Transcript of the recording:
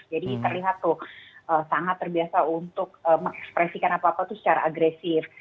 jadi terlihat tuh sangat terbiasa untuk mengekspresikan apa apa secara agresif